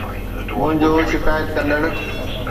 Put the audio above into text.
منهنجو شڪايت ڪندڙ